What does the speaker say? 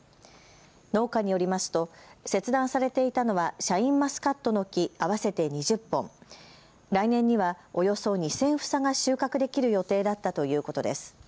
農家によりますと切断されていたのはシャインマスカットの木合わせて２０本、来年にはおよそ２０００房が収穫できる予定だったということです。